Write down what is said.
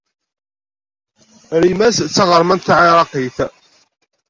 Rimas d taɣermant taɛiraqit.